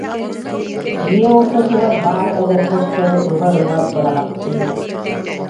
Дьиэ ортотугар баар олоппостору ыла-ыла быраҕаттыыр